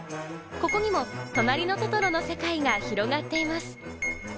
ここにも『となりのトトロ』の世界が広がっています。